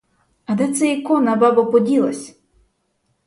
А де це ікона, бабо, поділась?